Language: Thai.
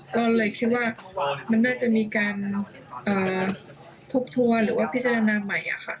ก็เลยคิดว่ามันน่าจะมีการทบทวนหรือว่าพิจารณาใหม่ค่ะ